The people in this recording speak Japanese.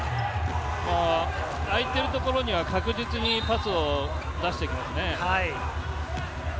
あいているところには確実にパスを出してきますね。